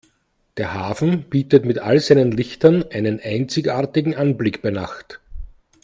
Der Hafen bietet mit all seinen Lichtern einen einzigartigen Anblick bei Nacht.